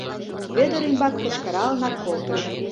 — Вӧдыр ӱмбак кычкыралынак колтыш.